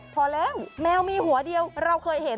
พอแล้วแมวมีหัวเดียวเราเคยเห็น